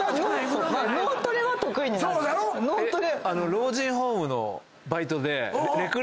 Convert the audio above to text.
老人ホームのバイトで。